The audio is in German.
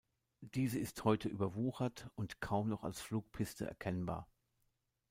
Diese ist heute überwuchert und kaum noch als Flugpiste erkennbar.